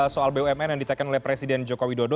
soal bumn yang ditekan oleh presiden jokowi dodo